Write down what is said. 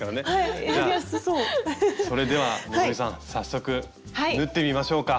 それでは希さん早速縫ってみましょうか。